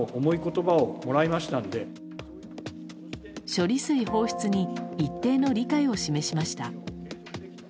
処理水放出に一定の理解を示しました。